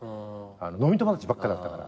飲み友達ばっかだったから。